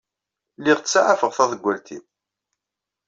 Lliɣ ttsaɛafeɣ taḍewwalt-inu.